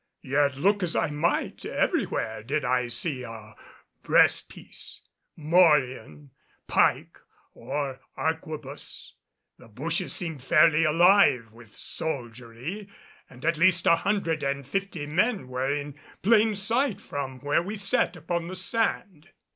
Yet look as I might, everywhere did I see a breast piece, morion, pike or arquebus. The bushes seemed fairly alive with soldiery and at least an hundred and fifty men were in plain sight from where we sat upon the sand.